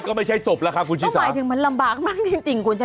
ก็ไม่ใช่ศพแหละค่ะคุณชิสาต้องหมายถึงมันลำบากมากจริงคุณชนะ